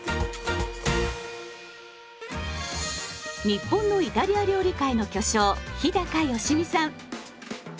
日本のイタリア料理界の巨匠日良実さん。